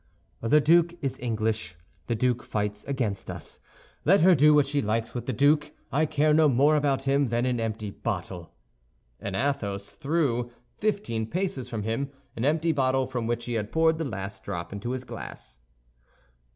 "The duke is English; the duke fights against us. Let her do what she likes with the duke; I care no more about him than an empty bottle." And Athos threw fifteen paces from him an empty bottle from which he had poured the last drop into his glass.